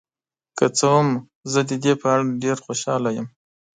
که څه هم، زه د دې په اړه ډیر خوشحاله یم.